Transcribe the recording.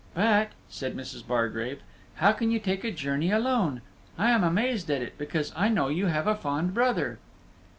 "But," says Mrs. Bargrave, "how can you take a journey alone? I am amazed at it, because I know you have a fond brother."